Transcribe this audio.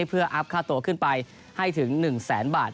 เพื่ออัพค่าโตขึ้นไปให้ถึงหนึ่งแสนบาท